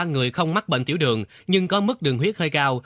một trăm một mươi ba người không mắc bệnh tiểu đường nhưng có mức đường huyết hơi cao